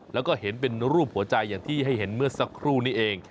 แล้วก็เห็นเป็นรูปหัวใจอย่างที่ให้เห็นเมื่อสักครู่นี้เอง